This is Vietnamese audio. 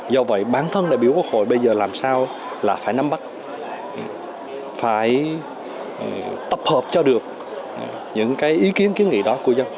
do vậy bản thân đại biểu quốc hội bây giờ làm sao là phải nắm bắt phải tập hợp cho được những ý kiến kiến nghị đó